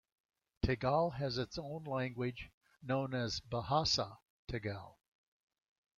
Tegal has its own language, known as "Bahasa Tegal".